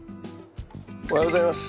おはようございます。